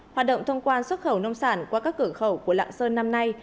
hoạt động thông quan xuất khẩu nông sản qua các cửa khẩu của lạng sơn năm nay